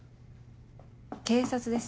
警察です。